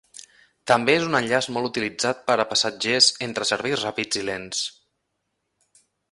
També és un enllaç molt utilitzat per a passatgers entre serveis ràpids i lents.